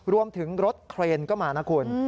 รวมถึงรถเครนก็มานะคุณ